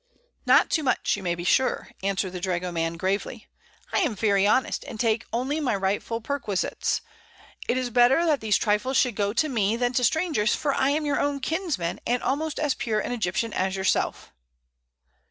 "Not too much, you may be sure," answered the dragoman, gravely. "I am very honest, and take only my rightful perquisites. It is better that these trifles should go to me than to strangers, for I am your own kinsman and almost as pure an Egyptian as yourself."